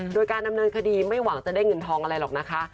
โดยการดำเนินคดีไม่หวังจะได้เงินทองอะไรหรอกนะคะ